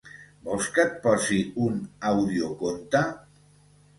Vols que et posi un audioconte?